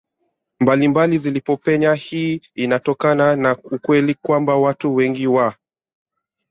mbalimbali zilipopenya Hii inatokana na ukweli kwamba watu wengi wa